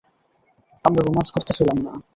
আমরা রোম্যান্স করতাছিলাম না!